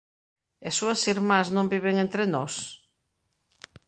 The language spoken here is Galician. E súas irmás non viven entre nós?"".